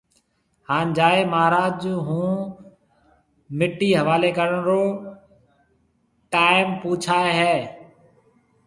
ھان جائيَ مھاراج ھون مٽِي حواليَ ڪرڻ رو ٽاڍيم پوڇائيَ ھيََََ